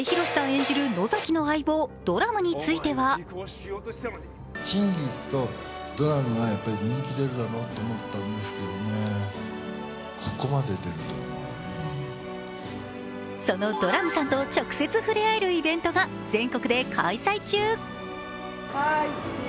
演じる野崎の相棒ドラムについてはそのドラムさんと直接触れ合えるイベントが全国で開催中。